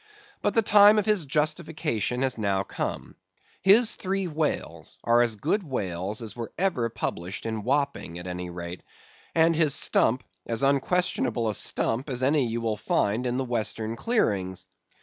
But the time of his justification has now come. His three whales are as good whales as were ever published in Wapping, at any rate; and his stump as unquestionable a stump as any you will find in the western clearings.